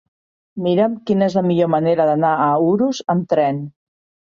Mira'm quina és la millor manera d'anar a Urús amb tren.